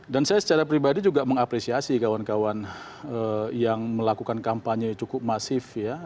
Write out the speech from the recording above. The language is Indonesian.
dan saya secara pribadi juga mengapresiasi kawan kawan yang melakukan kampanye cukup masif ya